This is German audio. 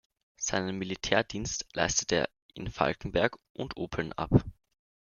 Seinen Militärdienst leistete er in Falkenberg und Oppeln ab.